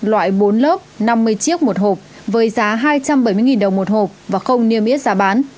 loại bốn lớp năm mươi chiếc một hộp với giá hai trăm bảy mươi đồng một hộp và không niêm yết giá bán